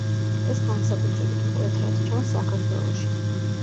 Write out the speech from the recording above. ეს განსაკუთრებით მკვეთრად ჩანს საქართველოში.